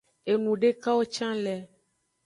Enudekawo can le.